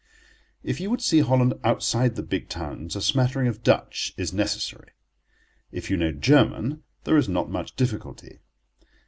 If you would see Holland outside the big towns a smattering of Dutch is necessary. If you know German there is not much difficulty.